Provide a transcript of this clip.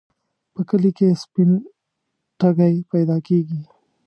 په کلي کې سپين ټکی پیدا کېږي.